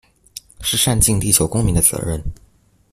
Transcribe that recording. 是善盡地球公民的責任